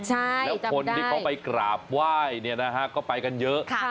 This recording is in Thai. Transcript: แล้วคนได้เขาไปกราบไหว้ก็ไปกันเยอะ